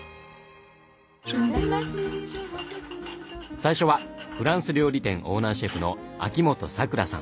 最初はフランス料理店オーナーシェフの秋元さくらさん。